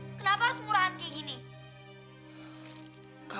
istirahatnya kamu sudahenaryah yang kedua ya